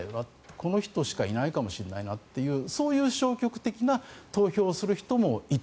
この人しかいないかもしれないなってそういう消極的な投票をする人もいて。